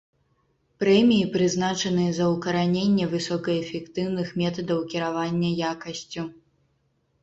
Прэміі прызначаныя за ўкараненне высокаэфектыўных метадаў кіравання якасцю.